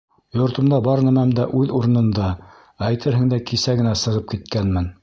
Йортомда бар нәмәм дә үҙ урынында: әйтерһең дә, кисә генә сығып киткәнмен.